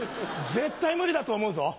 絶対無理だと思うぞ。